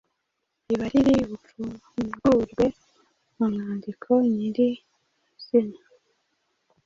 riba riri bupfungurwe mu mwandiko nyiri izina.